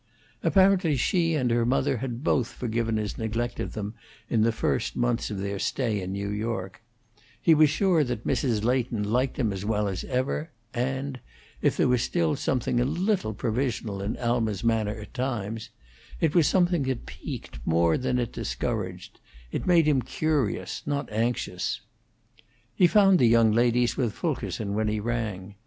Apparently she and her mother had both forgiven his neglect of them in the first months of their stay in New York; he was sure that Mrs. Leighton liked him as well as ever, and, if there was still something a little provisional in Alma's manner at times, it was something that piqued more than it discouraged; it made him curious, not anxious. He found the young ladies with Fulkerson when he rang.